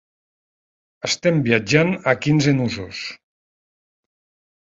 Estem viatjant a quinze nusos.